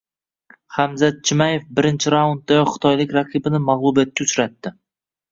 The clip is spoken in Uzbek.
Hamzat Chimayev birinchi raunddayoq xitoylik raqibini mag‘lubiyatga uchratdi